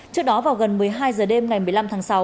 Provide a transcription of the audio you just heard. trước đó vào gần một mươi hai giờ đêm ngày một mươi năm tháng sáu